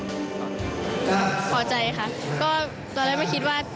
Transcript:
และก็ขอบคุณพ่อแม่ที่ช่วยส่งเสริมมาตลอดค่ะ